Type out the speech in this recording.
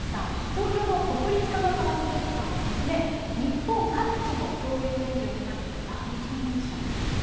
東京の国立科学博物館をはじめ日本各地の恐竜展示を手がけた第一人者なんです。